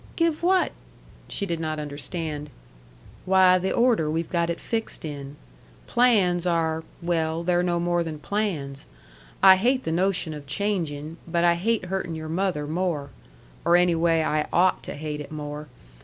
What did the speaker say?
"Give what ?" She did not understand. "Why, the order we've got it fixed in. Plans are well, they're no more than plans. I hate the notion of changing, but I hate hurting your mother more. Or, anyway, I OUGHT to hate it more.